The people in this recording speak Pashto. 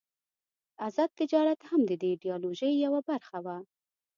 آزاد تجارت هم د دې ایډیالوژۍ یوه برخه وه.